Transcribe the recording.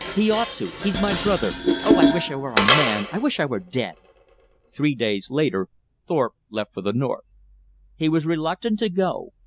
He ought to. He's my brother. Oh, I wish I were a man; I wish I were dead!" Three days later Thorpe left for the north. He was reluctant to go.